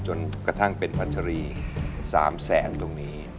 จนกระทั่งเป็นพัชรี๓แสนตรงนี้